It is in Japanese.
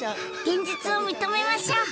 現実を認めましょう！